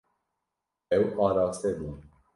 Ew araste bûn.